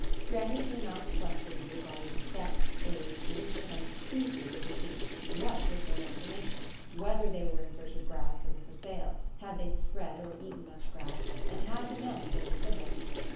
Grannie came out to question me regarding the sex, age, condition, and species of the sheep, what was their destination, whether they were in search of grass or were for sale, had they spread or eaten much grass, and had the men been civil?